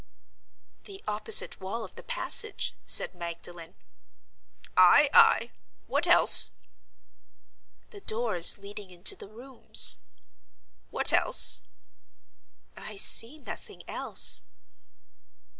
—"The opposite wall of the passage," said Magdalen.—"Ay! ay! what else?"—"The doors leading into the rooms."—"What else?"—"I see nothing else."